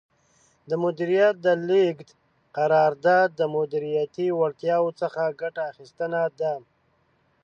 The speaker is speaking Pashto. د مدیریت د لیږد قرار داد د مدیریتي وړتیاوو څخه ګټه اخیستنه ده.